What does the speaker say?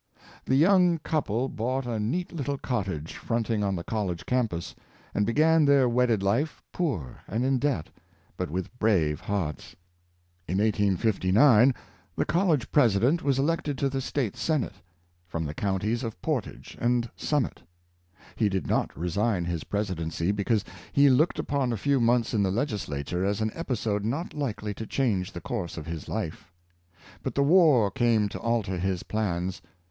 The yarnes A Garfield, 175 young couple bought a neat little cottage fronting on the college campus, and began their wedded life poor and in debt, but with brave hearts. In 1859 the college President was elected to the State Senate, from the counties of Portage and Summit. He did not resign his Presidency, because he looked upon a few rnonths in the Legislature as an episode not like ly to change the course of his life. But the war came to alter his plans.